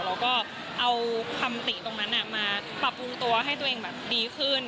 เราก็เอาคำติตรงนั้นมาปรับปรุงตัวให้ตัวเองแบบดีขึ้น